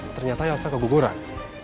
ternyata elsa keguguran